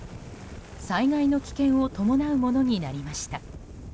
災害の危険を伴うものになりました。